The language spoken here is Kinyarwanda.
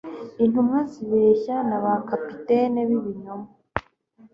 Intumwa zibeshya na ba capitaine b'ibinyoma